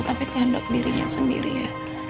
tapi terhadap dirinya sendiri ya